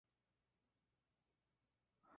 Si lo hubo, no queda rastro de tal archivo.